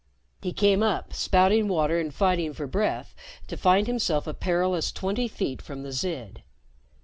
He came up, spouting water and fighting for breath, to find himself a perilous twenty feet from the Zid.